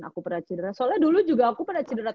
aku pernah sidra soalnya dulu juga aku pernah sidra